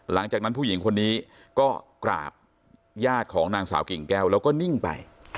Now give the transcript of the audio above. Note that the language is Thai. หลังจากนั้นผู้หญิงคนนี้ก็กราบญาติของนางสาวกิ่งแก้วแล้วก็นิ่งไป